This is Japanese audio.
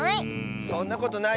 そんなことない！